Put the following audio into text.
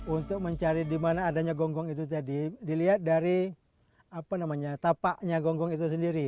untuk mencari di mana adanya gonggong itu tadi dilihat dari tapaknya gonggong itu sendiri